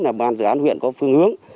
là ban dự án huyện có phương hướng